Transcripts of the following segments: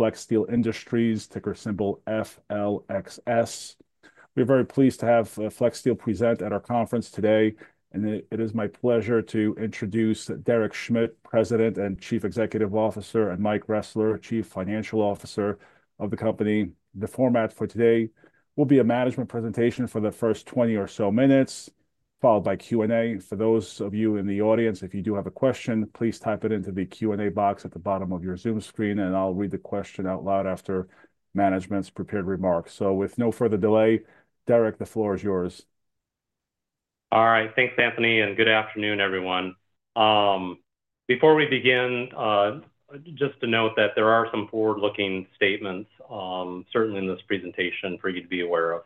Flexsteel Industries, ticker symbol FLXS. We are very pleased to have Flexsteel present at our conference today, and it is my pleasure to introduce Derek Schmidt, President and Chief Executive Officer, and Mike Ressler, Chief Financial Officer of the company. The format for today will be a management presentation for the first 20 or so minutes, followed by Q&A. For those of you in the audience, if you do have a question, please type it into the Q&A box at the bottom of your Zoom screen, and I'll read the question out loud after management's prepared remarks. So, with no further delay, Derek, the floor is yours. All right. Thanks, Anthony, and good afternoon, everyone. Before we begin, just to note that there are some forward-looking statements, certainly in this presentation, for you to be aware of,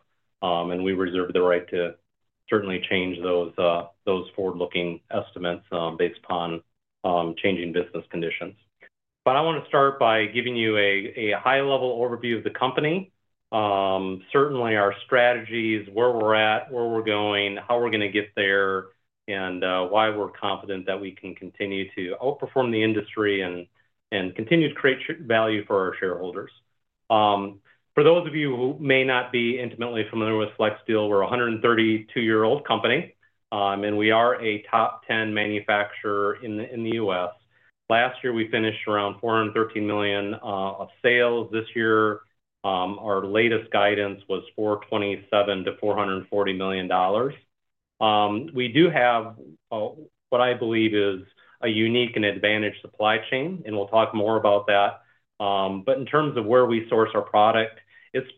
and we reserve the right to certainly change those forward-looking estimates based upon changing business conditions. But I want to start by giving you a high-level overview of the company. Certainly, our strategies, where we're at, where we're going, how we're going to get there, and why we're confident that we can continue to outperform the industry and continue to create value for our shareholders. For those of you who may not be intimately familiar with Flexsteel, we're a 132-year-old company, and we are a top 10 manufacturer in the U.S. Last year, we finished around $413 million of sales. This year, our latest guidance was $427 million-$440 million. We do have what I believe is a unique and advantaged supply chain, and we'll talk more about that. But in terms of where we source our product, it's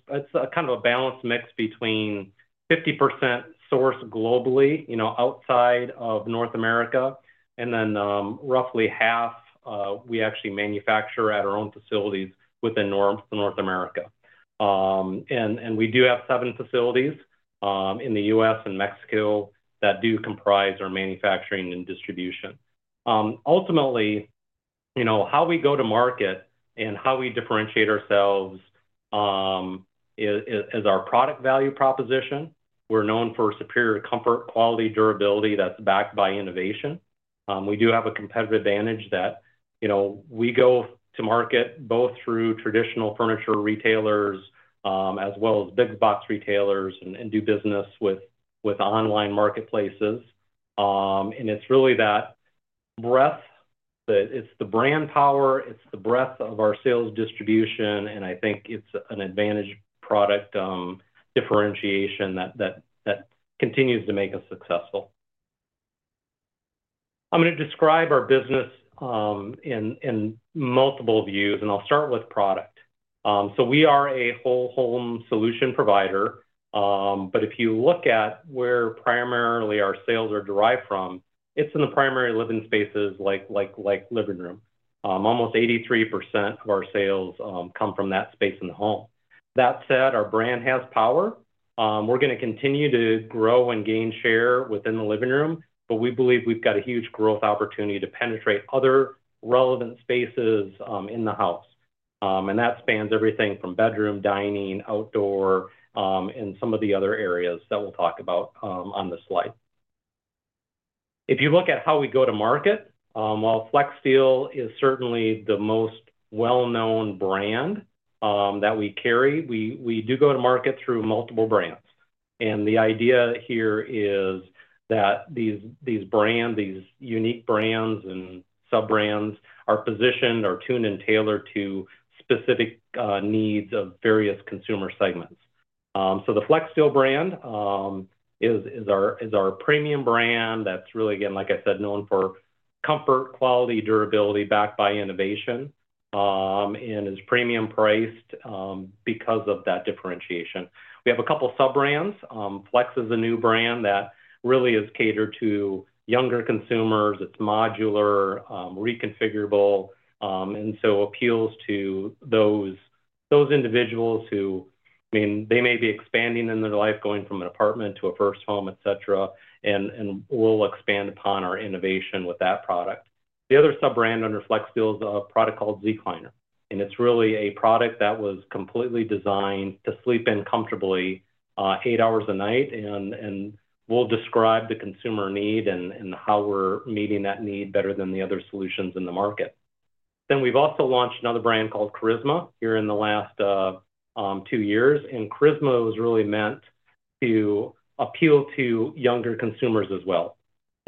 kind of a balanced mix between 50% sourced globally, you know, outside of North America, and then roughly half we actually manufacture at our own facilities within North America, and we do have seven facilities in the U.S. and Mexico that do comprise our manufacturing and distribution. Ultimately, you know, how we go to market and how we differentiate ourselves is our product value proposition. We're known for superior comfort, quality, durability that's backed by innovation. We do have a competitive advantage that, you know, we go to market both through traditional furniture retailers as well as big box retailers and do business with online marketplaces. It's really that breadth that it's the brand power, it's the breadth of our sales distribution, and I think it's an advantage product differentiation that continues to make us successful. I'm going to describe our business in multiple views, and I'll start with product. We are a whole-home solution provider, but if you look at where primarily our sales are derived from, it's in the primary living spaces like the living room. Almost 83% of our sales come from that space in the home. That said, our brand has power. We're going to continue to grow and gain share within the living room, but we believe we've got a huge growth opportunity to penetrate other relevant spaces in the house. That spans everything from bedroom, dining, outdoor, and some of the other areas that we'll talk about on this slide. If you look at how we go to market, while Flexsteel is certainly the most well-known brand that we carry, we do go to market through multiple brands, and the idea here is that these brands, these unique brands and sub-brands are positioned or tuned and tailored to specific needs of various consumer segments, so the Flexsteel brand is our premium brand that's really, again, like I said, known for comfort, quality, durability, backed by innovation, and is premium priced because of that differentiation. We have a couple of sub-brands. Flex is a new brand that really is catered to younger consumers. It's modular, reconfigurable, and so appeals to those individuals who, I mean, they may be expanding in their life, going from an apartment to a first home, etc., and will expand upon our innovation with that product. The other sub-brand under Flexsteel is a product called Zecliner, and it's really a product that was completely designed to sleep in comfortably eight hours a night, and will describe the consumer need and how we're meeting that need better than the other solutions in the market. Then we've also launched another brand called Charisma here in the last two years, and Charisma was really meant to appeal to younger consumers as well.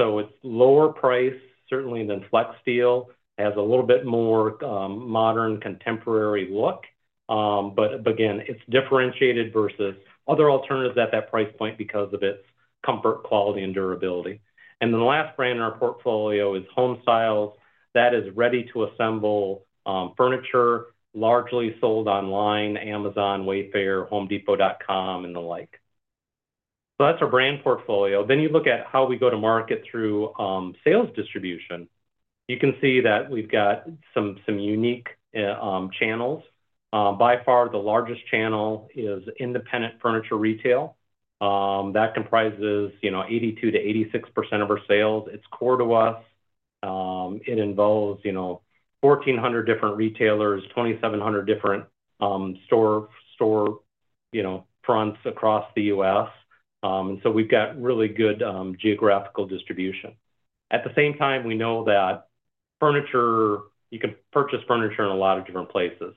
So it's lower priced, certainly than Flexsteel. It has a little bit more modern, contemporary look, but again, it's differentiated versus other alternatives at that price point because of its comfort, quality, and durability. And then the last brand in our portfolio is Homestyles. That is ready-to-assemble furniture, largely sold online, Amazon, Wayfair, HomeDepot.com, and the like. So that's our brand portfolio. Then you look at how we go to market through sales distribution. You can see that we've got some unique channels. By far, the largest channel is independent furniture retail. That comprises, you know, 82%-86% of our sales. It's core to us. It involves, you know, 1,400 different retailers, 2,700 different stores, you know, fronts across the U.S., and so we've got really good geographical distribution. At the same time, we know that furniture, you can purchase furniture in a lot of different places,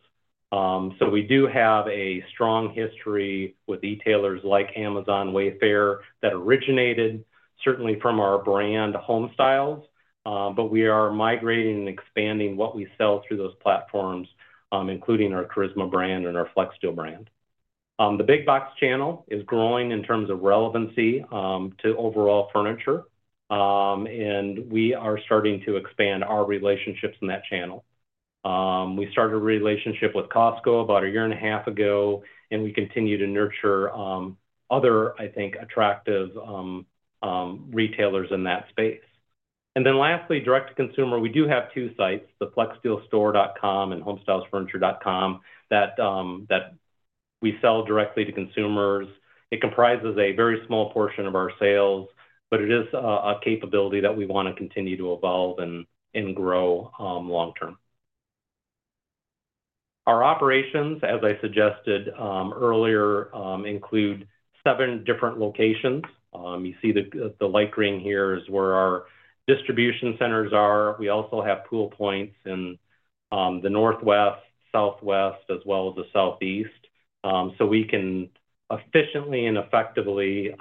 so we do have a strong history with retailers like Amazon, Wayfair that originated certainly from our brand, Homestyles, but we are migrating and expanding what we sell through those platforms, including our Charisma brand and our Flexsteel brand. The big box channel is growing in terms of relevancy to overall furniture, and we are starting to expand our relationships in that channel. We started a relationship with Costco about a year and a half ago, and we continue to nurture other, I think, attractive retailers in that space, and then lastly, direct-to-consumer, we do have two sites, the Flexsteelstore.com and Homestylesfurniture.com, that we sell directly to consumers. It comprises a very small portion of our sales, but it is a capability that we want to continue to evolve and grow long-term. Our operations, as I suggested earlier, include seven different locations. You see the light green here is where our distribution centers are. We also have pool points in the northwest, southwest, as well as the southeast, so we can efficiently and effectively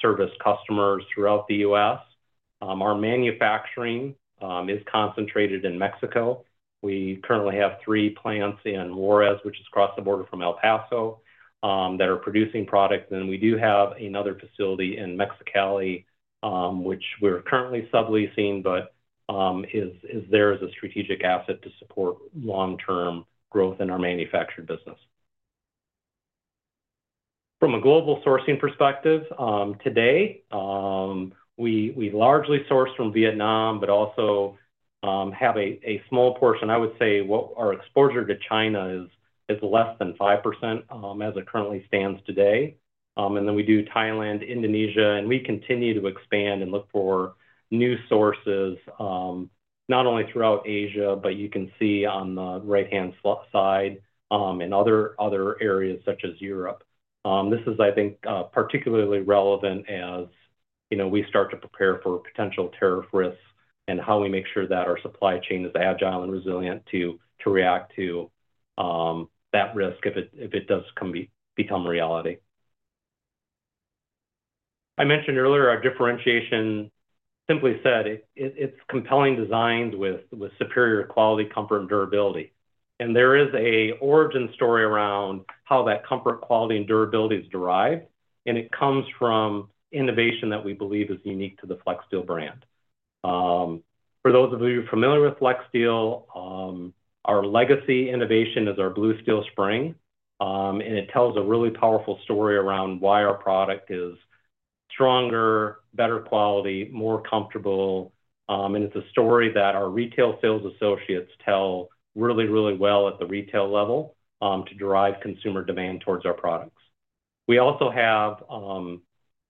service customers throughout the U.S. Our manufacturing is concentrated in Mexico. We currently have three plants in Juarez, which is across the border from El Paso, that are producing products. And we do have another facility in Mexicali, which we're currently subleasing, but it is there as a strategic asset to support long-term growth in our manufactured business. From a global sourcing perspective, today, we largely source from Vietnam, but also have a small portion. I would say our exposure to China is less than 5% as it currently stands today. And then we do Thailand, Indonesia, and we continue to expand and look for new sources not only throughout Asia, but you can see on the right-hand side in other areas such as Europe. This is, I think, particularly relevant as, you know, we start to prepare for potential tariff risks and how we make sure that our supply chain is agile and resilient to react to that risk if it does become reality. I mentioned earlier our differentiation, simply said, it's compelling designs with superior quality, comfort, and durability. And there is an origin story around how that comfort, quality, and durability is derived, and it comes from innovation that we believe is unique to the Flexsteel brand. For those of you familiar with Flexsteel, our legacy innovation is our Blue Steel Spring, and it tells a really powerful story around why our product is stronger, better quality, more comfortable. And it's a story that our retail sales associates tell really, really well at the retail level to drive consumer demand towards our products. We also have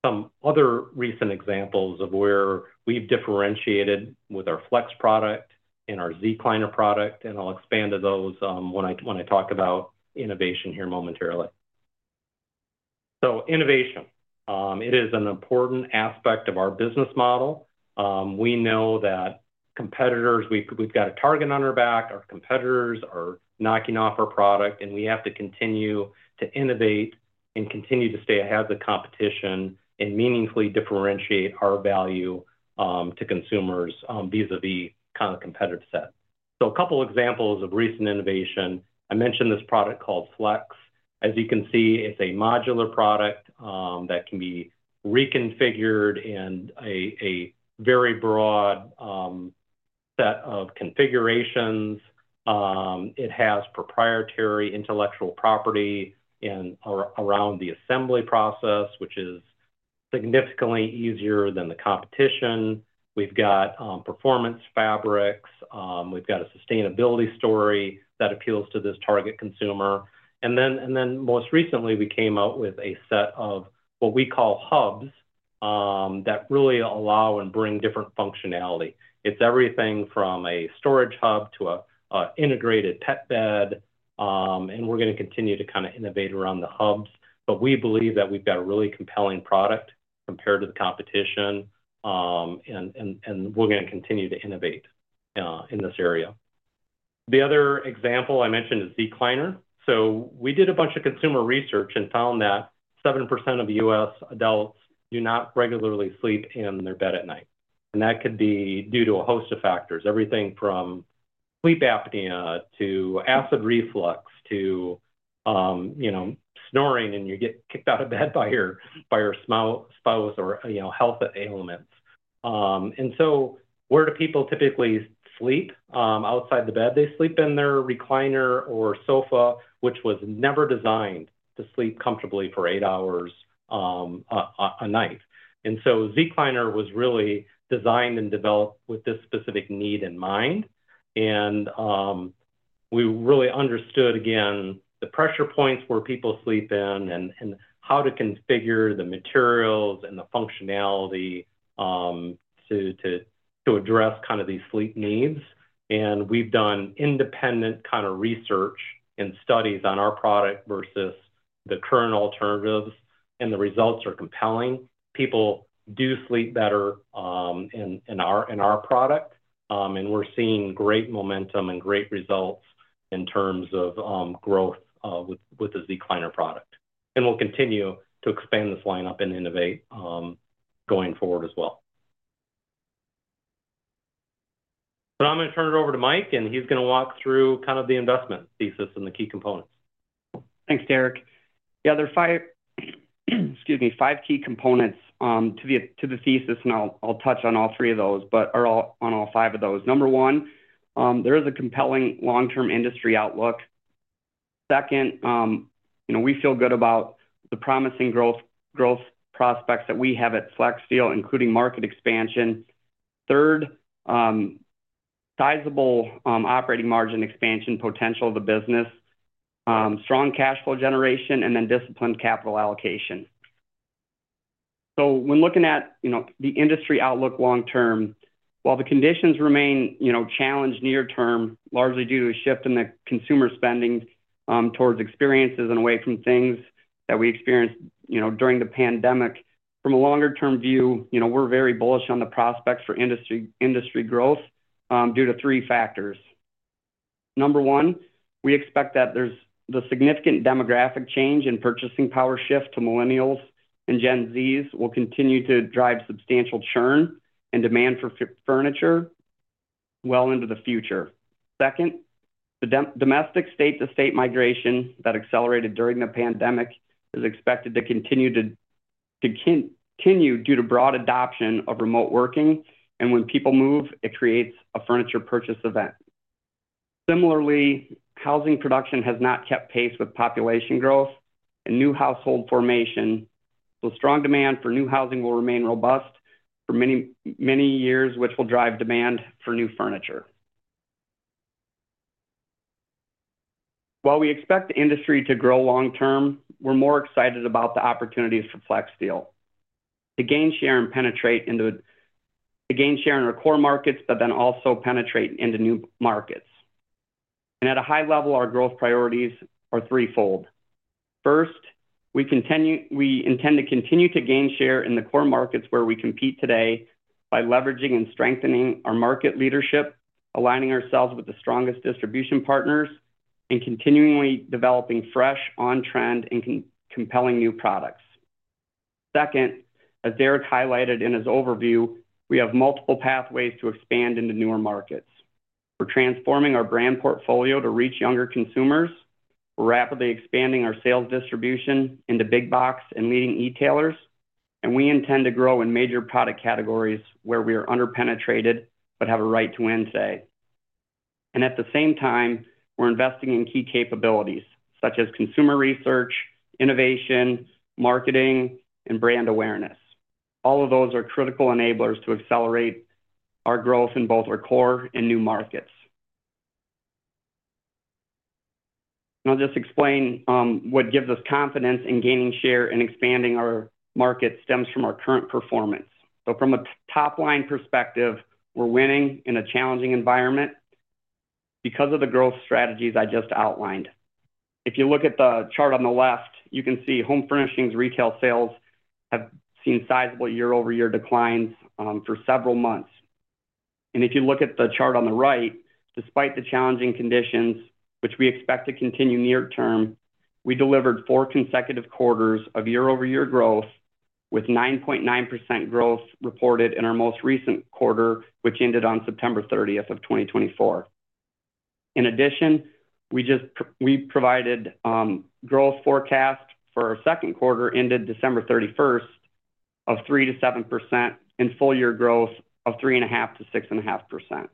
some other recent examples of where we've differentiated with our Flex product and our Zecliner product, and I'll expand to those when I talk about innovation here momentarily. So innovation, it is an important aspect of our business model. We know that competitors, we've got a target on our back. Our competitors are knocking off our product, and we have to continue to innovate and continue to stay ahead of the competition and meaningfully differentiate our value to consumers vis-à-vis kind of the competitive set. So a couple of examples of recent innovation. I mentioned this product called Flex. As you can see, it's a modular product that can be reconfigured in a very broad set of configurations. It has proprietary intellectual property around the assembly process, which is significantly easier than the competition. We've got performance fabrics. We've got a sustainability story that appeals to this target consumer. And then most recently, we came out with a set of what we call hubs that really allow and bring different functionality. It's everything from a storage hub to an integrated pet bed, and we're going to continue to kind of innovate around the hubs, but we believe that we've got a really compelling product compared to the competition, and we're going to continue to innovate in this area. The other example I mentioned is Zecliner. So we did a bunch of consumer research and found that 7% of U.S. adults do not regularly sleep in their bed at night. And that could be due to a host of factors, everything from sleep apnea to acid reflux to, you know, snoring, and you get kicked out of bed by your spouse or, you know, health ailments. And so where do people typically sleep outside the bed? They sleep in their recliner or sofa, which was never designed to sleep comfortably for eight hours a night. And so Zecliner was really designed and developed with this specific need in mind. And we really understood, again, the pressure points where people sleep in and how to configure the materials and the functionality to address kind of these sleep needs. And we've done independent kind of research and studies on our product versus the current alternatives, and the results are compelling. People do sleep better in our product, and we're seeing great momentum and great results in terms of growth with the Zecliner product. And we'll continue to expand this lineup and innovate going forward as well. So now I'm going to turn it over to Mike, and he's going to walk through kind of the investment thesis and the key components. Thanks, Derek. Yeah, there are five, excuse me, five key components to the thesis, and I'll touch on all five of those. Number one, there is a compelling long-term industry outlook. Second, you know, we feel good about the promising growth prospects that we have at Flexsteel, including market expansion. Third, sizable operating margin expansion potential of the business, strong cash flow generation, and then disciplined capital allocation. So when looking at, you know, the industry outlook long-term, while the conditions remain, you know, challenged near-term, largely due to a shift in the consumer spending towards experiences and away from things that we experienced, you know, during the pandemic, from a longer-term view, you know, we're very bullish on the prospects for industry growth due to three factors. Number one, we expect that there's the significant demographic change and purchasing power shift to millennials and Gen Zs will continue to drive substantial churn and demand for furniture well into the future. Second, the domestic state-to-state migration that accelerated during the pandemic is expected to continue due to broad adoption of remote working, and when people move, it creates a furniture purchase event. Similarly, housing production has not kept pace with population growth and new household formation, so strong demand for new housing will remain robust for many, many years, which will drive demand for new furniture. While we expect the industry to grow long-term, we're more excited about the opportunities for Flexsteel to gain share and penetrate into our core markets, but then also penetrate into new markets, and at a high level, our growth priorities are threefold. First, we intend to continue to gain share in the core markets where we compete today by leveraging and strengthening our market leadership, aligning ourselves with the strongest distribution partners, and continually developing fresh, on-trend, and compelling new products. Second, as Derek highlighted in his overview, we have multiple pathways to expand into newer markets. We're transforming our brand portfolio to reach younger consumers. We're rapidly expanding our sales distribution into big box and leading retailers, and we intend to grow in major product categories where we are under-penetrated but have a right to win today. And at the same time, we're investing in key capabilities such as consumer research, innovation, marketing, and brand awareness. All of those are critical enablers to accelerate our growth in both our core and new markets. I'll just explain what gives us confidence in gaining share and expanding our market stems from our current performance. So from a top-line perspective, we're winning in a challenging environment because of the growth strategies I just outlined. If you look at the chart on the left, you can see home furnishings retail sales have seen sizable year-over-year declines for several months. If you look at the chart on the right, despite the challenging conditions, which we expect to continue near-term, we delivered four consecutive quarters of year-over-year growth with 9.9% growth reported in our most recent quarter, which ended on September 30th of 2024. In addition, we just provided growth forecast for our second quarter ended December 31st of 3%-7% and full-year growth of 3.5%-6.5%.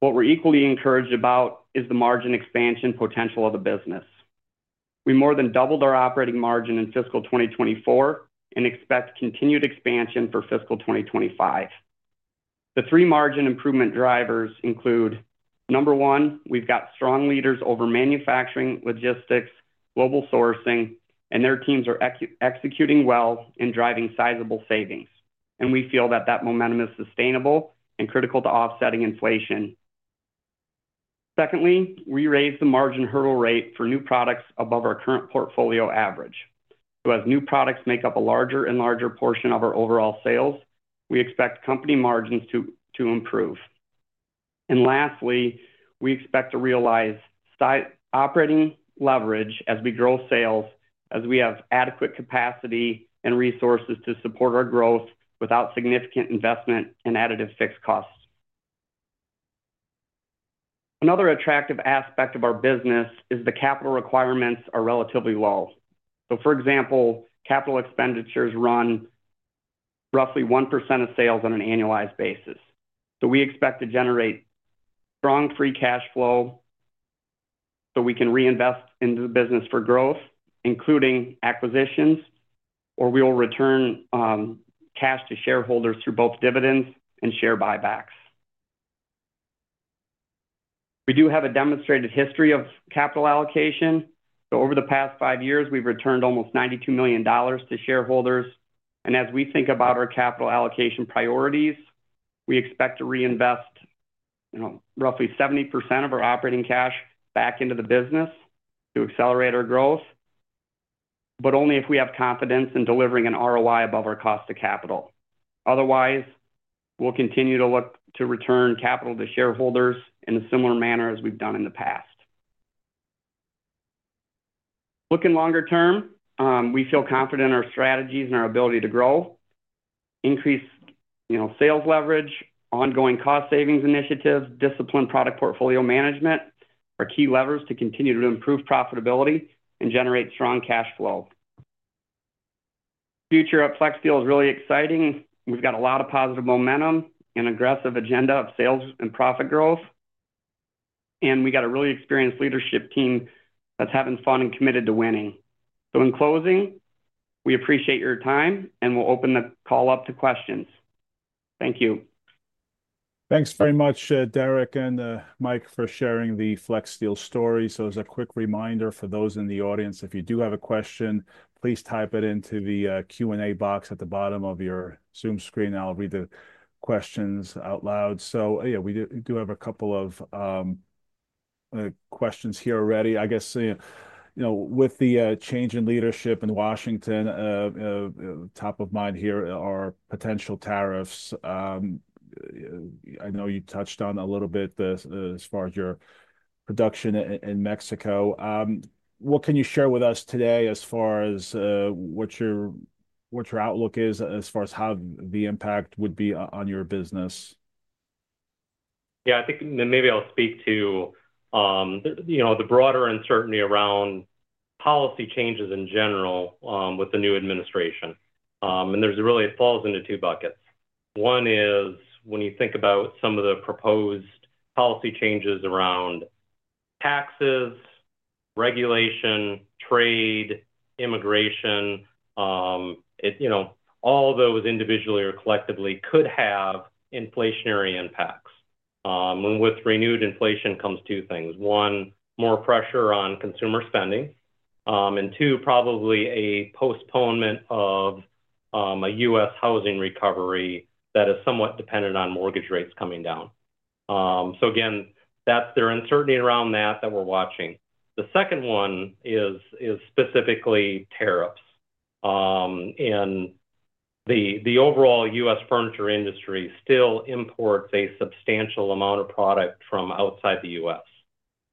What we're equally encouraged about is the margin expansion potential of the business. We more than doubled our operating margin in fiscal 2024 and expect continued expansion for fiscal 2025. The three margin improvement drivers include number one, we've got strong leaders over manufacturing, logistics, global sourcing, and their teams are executing well and driving sizable savings, and we feel that that momentum is sustainable and critical to offsetting inflation. Secondly, we raised the margin hurdle rate for new products above our current portfolio average, so as new products make up a larger and larger portion of our overall sales, we expect company margins to improve, and lastly, we expect to realize operating leverage as we grow sales as we have adequate capacity and resources to support our growth without significant investment and additive fixed costs. Another attractive aspect of our business is the capital requirements are relatively low, so for example, capital expenditures run roughly 1% of sales on an annualized basis. So we expect to generate strong free cash flow so we can reinvest into the business for growth, including acquisitions, or we will return cash to shareholders through both dividends and share buybacks. We do have a demonstrated history of capital allocation. So over the past five years, we've returned almost $92 million to shareholders. And as we think about our capital allocation priorities, we expect to reinvest, you know, roughly 70% of our operating cash back into the business to accelerate our growth, but only if we have confidence in delivering an ROI above our cost of capital. Otherwise, we'll continue to look to return capital to shareholders in a similar manner as we've done in the past. Looking longer-term, we feel confident in our strategies and our ability to grow, increase, you know, sales leverage, ongoing cost savings initiatives, disciplined product portfolio management are key levers to continue to improve profitability and generate strong cash flow. Future at Flexsteel is really exciting. We've got a lot of positive momentum and aggressive agenda of sales and profit growth, and we got a really experienced leadership team that's having fun and committed to winning, so in closing, we appreciate your time, and we'll open the call up to questions. Thank you. Thanks very much, Derek and Mike, for sharing the Flexsteel story. So as a quick reminder for those in the audience, if you do have a question, please type it into the Q&A box at the bottom of your Zoom screen. I'll read the questions out loud. So yeah, we do have a couple of questions here already. I guess, you know, with the change in leadership in Washington, top of mind here are potential tariffs. I know you touched on a little bit as far as your production in Mexico. What can you share with us today as far as what your outlook is as far as how the impact would be on your business? Yeah, I think maybe I'll speak to, you know, the broader uncertainty around policy changes in general with the new administration. And there's really, it falls into two buckets. One is when you think about some of the proposed policy changes around taxes, regulation, trade, immigration, you know, all those individually or collectively could have inflationary impacts. When, with renewed inflation comes two things. One, more pressure on consumer spending. And two, probably a postponement of a U.S. housing recovery that is somewhat dependent on mortgage rates coming down. So again, that's the uncertainty around that we're watching. The second one is specifically tariffs. And the overall U.S. furniture industry still imports a substantial amount of product from outside the U.S.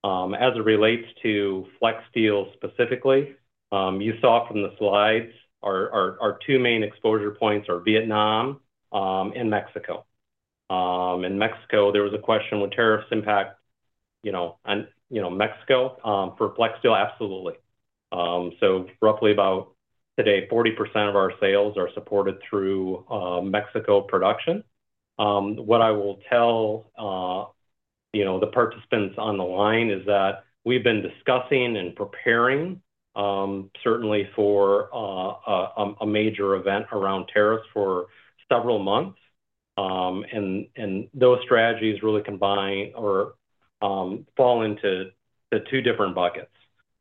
As it relates to Flexsteel specifically, you saw from the slides, our two main exposure points are Vietnam and Mexico. In Mexico, there was a question: would tariffs impact, you know, Mexico? For Flexsteel, absolutely. So, roughly, about today, 40% of our sales are supported through Mexico production. What I will tell, you know, the participants on the line is that we've been discussing and preparing certainly for a major event around tariffs for several months. And those strategies really combine or fall into two different buckets.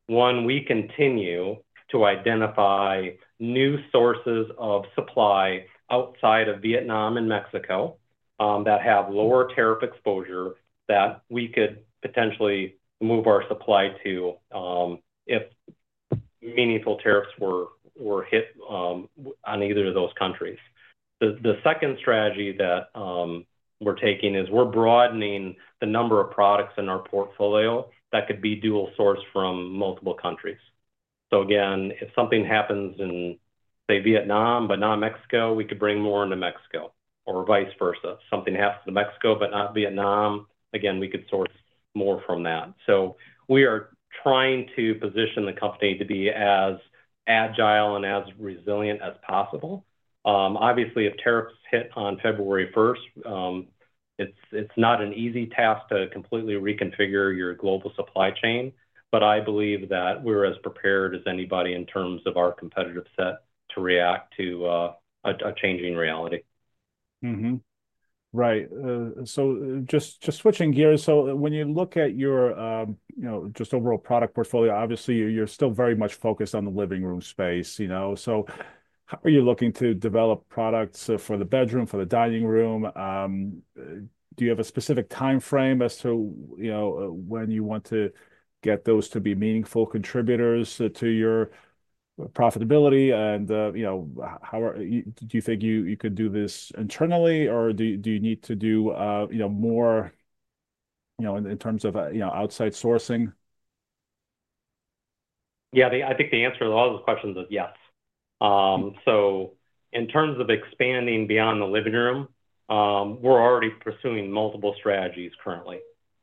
One, we continue to identify new sources of supply outside of Vietnam and Mexico that have lower tariff exposure that we could potentially move our supply to if meaningful tariffs were hit on either of those countries. The second strategy that we're taking is we're broadening the number of products in our portfolio that could be dual source from multiple countries. So again, if something happens in, say, Vietnam but not Mexico, we could bring more into Mexico or vice versa. Something happens to Mexico but not Vietnam, again, we could source more from that. So we are trying to position the company to be as agile and as resilient as possible. Obviously, if tariffs hit on February 1st, it's not an easy task to completely reconfigure your global supply chain, but I believe that we're as prepared as anybody in terms of our competitive set to react to a changing reality. Right, so just switching gears, so when you look at your, you know, just overall product portfolio, obviously you're still very much focused on the living room space, you know, so how are you looking to develop products for the bedroom, for the dining room? Do you have a specific timeframe as to, you know, when you want to get those to be meaningful contributors to your profitability, and, you know, how do you think you could do this internally, or do you need to do, you know, more, you know, in terms of, you know, outside sourcing? Yeah, I think the answer to all those questions is yes. So in terms of expanding beyond the living room, we're already pursuing multiple strategies currently.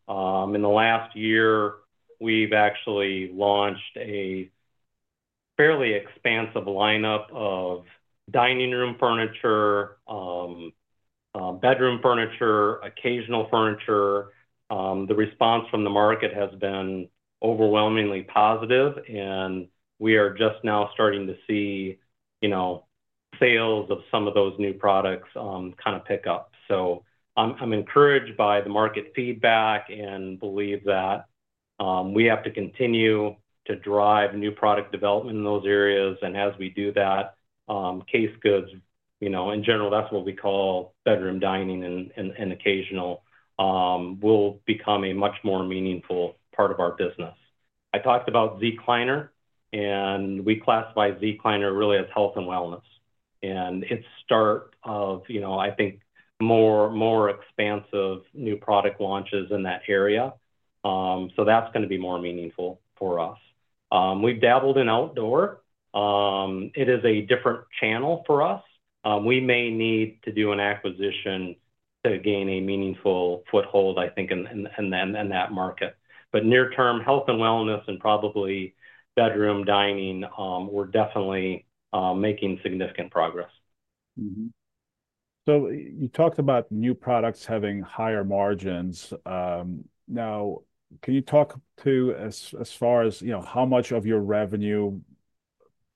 In the last year, we've actually launched a fairly expansive lineup of dining room furniture, bedroom furniture, occasional furniture. The response from the market has been overwhelmingly positive, and we are just now starting to see, you know, sales of some of those new products kind of pick up. So I'm encouraged by the market feedback and believe that we have to continue to drive new product development in those areas. And as we do that, case goods, you know, in general, that's what we call bedroom dining and occasional will become a much more meaningful part of our business. I talked about Zecliner, and we classify Zecliner really as health and wellness. It's the start of, you know, I think more expansive new product launches in that area. So that's going to be more meaningful for us. We've dabbled in outdoor. It is a different channel for us. We may need to do an acquisition to gain a meaningful foothold, I think, in that market. But near-term, health and wellness and probably bedroom dining, we're definitely making significant progress. So you talked about new products having higher margins. Now, can you talk to as far as, you know, how much of your revenue,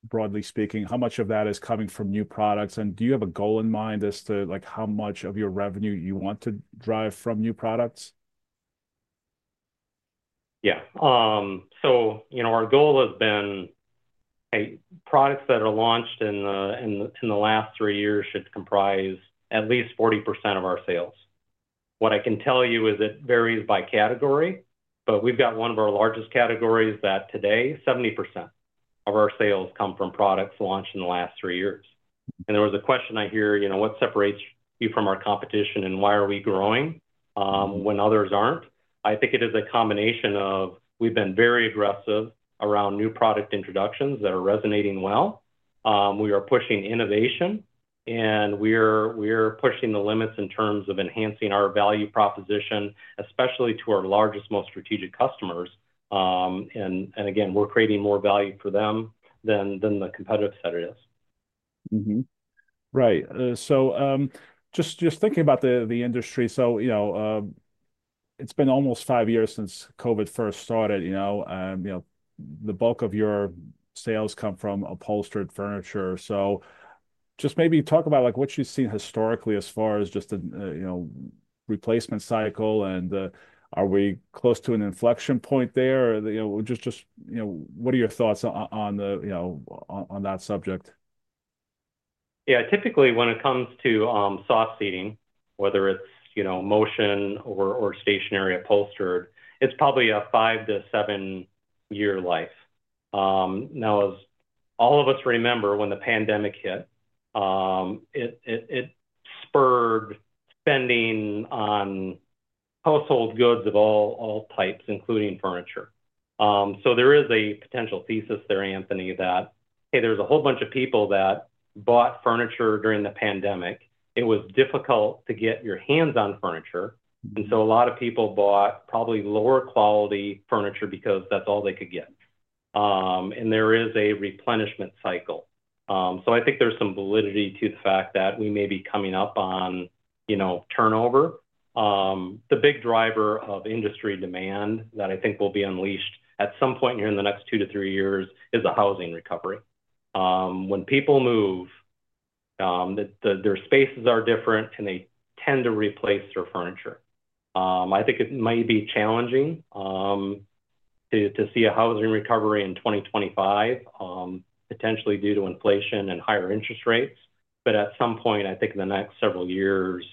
broadly speaking, how much of that is coming from new products? And do you have a goal in mind as to, like, how much of your revenue you want to drive from new products? Yeah. So, you know, our goal has been products that are launched in the last three years should comprise at least 40% of our sales. What I can tell you is it varies by category, but we've got one of our largest categories that today, 70% of our sales come from products launched in the last three years. And there was a question I hear, you know, what separates you from our competition and why are we growing when others aren't? I think it is a combination of we've been very aggressive around new product introductions that are resonating well. We are pushing innovation, and we are pushing the limits in terms of enhancing our value proposition, especially to our largest, most strategic customers. And again, we're creating more value for them than the competitive set it is. Right. So just thinking about the industry, so, you know, it's been almost five years since COVID first started, you know, and, you know, the bulk of your sales come from upholstered furniture. So just maybe talk about, like, what you've seen historically as far as just the, you know, replacement cycle, and are we close to an inflection point there? You know, just, you know, what are your thoughts on the, you know, on that subject? Yeah. Typically, when it comes to soft seating, whether it's, you know, motion or stationary upholstered, it's probably a five-to-seven-year life. Now, as all of us remember, when the pandemic hit, it spurred spending on household goods of all types, including furniture. So there is a potential thesis there, Anthony, that, hey, there's a whole bunch of people that bought furniture during the pandemic. It was difficult to get your hands on furniture. And so a lot of people bought probably lower quality furniture because that's all they could get. And there is a replenishment cycle. So I think there's some validity to the fact that we may be coming up on, you know, turnover. The big driver of industry demand that I think will be unleashed at some point here in the next two-to-three years is the housing recovery. When people move, their spaces are different, and they tend to replace their furniture. I think it may be challenging to see a housing recovery in 2025, potentially due to inflation and higher interest rates. But at some point, I think in the next several years,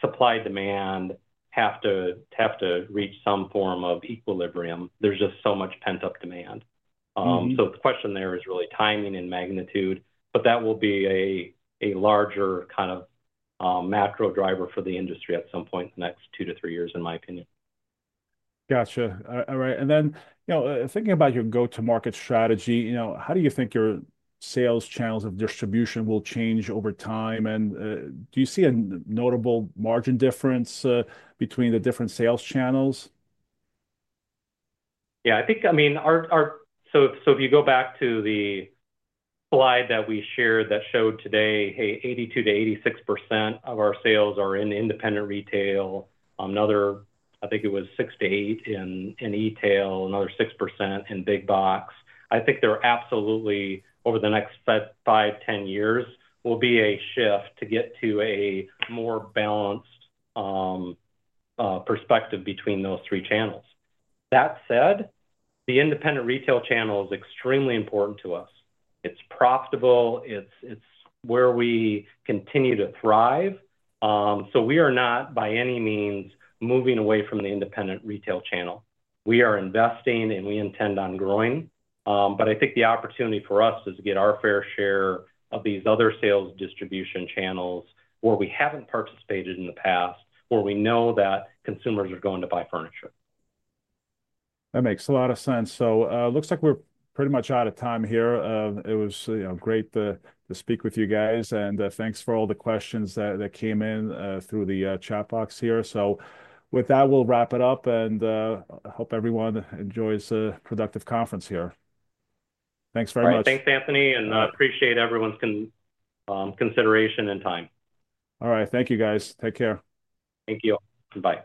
supply demand has to reach some form of equilibrium. There's just so much pent-up demand. So the question there is really timing and magnitude, but that will be a larger kind of macro driver for the industry at some point in the next two to three years, in my opinion. Gotcha. All right. And then, you know, thinking about your go-to-market strategy, you know, how do you think your sales channels of distribution will change over time? And do you see a notable margin difference between the different sales channels? Yeah, I think, I mean, our, so if you go back to the slide that we shared that showed today, hey, 82%-86% of our sales are in independent retail. Another, I think it was 6%-8% in e-tail, another 6% in big box. I think there are absolutely over the next 5-10 years will be a shift to get to a more balanced perspective between those three channels. That said, the independent retail channel is extremely important to us. It's profitable. It's where we continue to thrive. So we are not by any means moving away from the independent retail channel. We are investing, and we intend on growing. But I think the opportunity for us is to get our fair share of these other sales distribution channels where we haven't participated in the past, where we know that consumers are going to buy furniture. That makes a lot of sense. So it looks like we're pretty much out of time here. It was, you know, great to speak with you guys. And thanks for all the questions that came in through the chat box here. So with that, we'll wrap it up, and I hope everyone enjoys a productive conference here. Thanks very much. All right. Thanks, Anthony, and appreciate everyone's consideration and time. All right. Thank you, guys. Take care. Thank you. Bye.